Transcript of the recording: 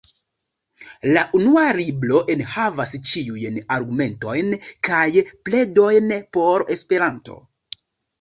La Unua Libro enhavas ĉiujn argumentojn kaj pledojn por Esperanto.